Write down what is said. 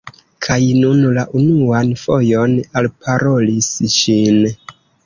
Kaj nun la unuan fojon alparolis ŝin.